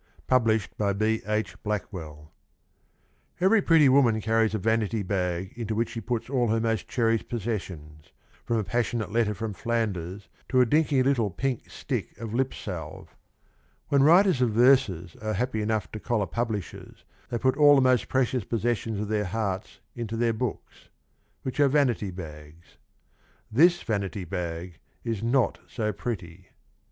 Published by B. H. Blackwell. Every pretty woman carries a vanity bag into which she puts all her most cherished possessions, from a passionate letter from Flanders to a dinky little pink stick of lip salve. When writers of verses are happy enough to collar publishers they put all the most precious possessions of their hearts into their books — which are vanity bags. ... [This] vanity bag [is] not so pretty.